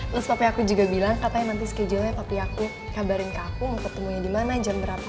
terus tapi aku juga bilang katanya nanti schedule tapi aku kabarin ke aku mau ketemunya di mana jam berapa